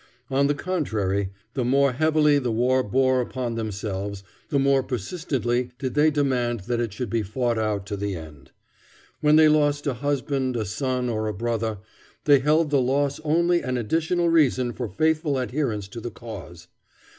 On the contrary, the more heavily the war bore upon themselves, the more persistently did they demand that it should be fought out to the end. When they lost a husband, a son, or a brother, they held the loss only an additional reason for faithful adherence to the cause.